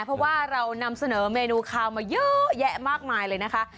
เพราะว่าเรานำเสนอเมนูคาวมาเยอะแยะมากมายเลยนะคะ